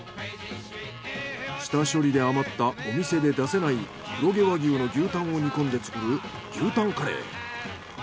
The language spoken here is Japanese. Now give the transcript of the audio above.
下処理で余ったお店で出せない黒毛和牛の牛タンを煮込んで作る牛タンカレー。